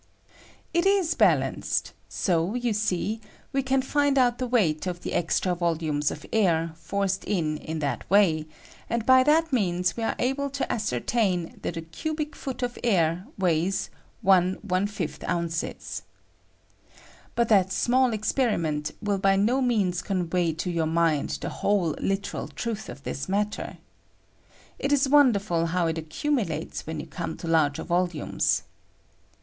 It is balanced; so, you see, we can find out the weight of the extra volumes of air forced in in that way, and by that means we arc able to ascertain that a cubic foot of air weighs 1 ^ oz. But that small experiment will by no means convey to your mind the whole literal truth of this matter. It is wonderful how it aooumulatea when you come to larger volumes.